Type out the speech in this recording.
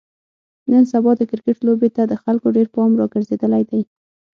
نن سبا د کرکټ لوبې ته د خلکو ډېر پام راگرځېدلی دی.